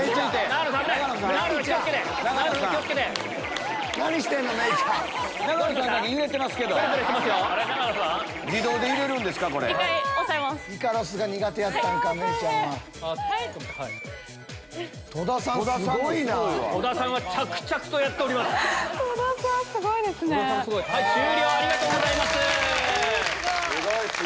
ありがとうございます。